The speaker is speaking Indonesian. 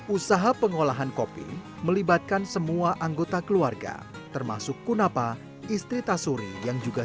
usaha pengolahan kopi melibatkan semua anggota keluarga termasuk kunapa istri tasuri yang juga